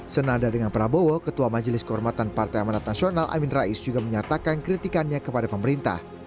senada dengan prabowo ketua majelis kehormatan partai amanat nasional amin rais juga menyatakan kritikannya kepada pemerintah